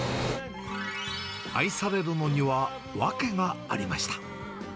愛されるのには訳がありました。